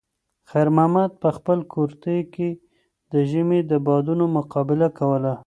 خیر محمد په خپل کورتۍ کې د ژمي د بادونو مقابله کوله.